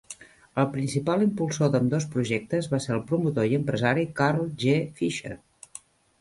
El principal impulsor d'ambdós projectes va ser el promotor i empresari Carl G. Fisher.